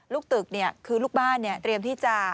ลูกบ้านเนี้ยเตรียมที่จะ